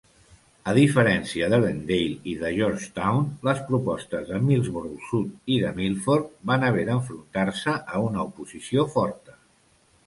A diferència d'Ellendale i de Georgetown, les propostes de Millsboro-Sud i de Milford van haver d'enfrontar-se a una oposició forta.